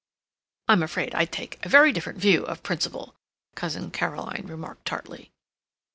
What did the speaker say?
"I'm afraid I take a very different view of principle," Cousin Caroline remarked tartly.